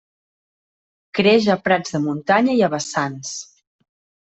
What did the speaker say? Creix a prats de muntanya i a vessants.